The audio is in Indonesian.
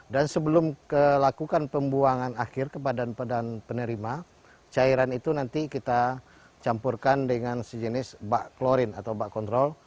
dan sebelum melakukan pembuangan akhir ke badan badan penerima cairan itu nanti kita campurkan dengan sejenis bak klorin atau bak kontrol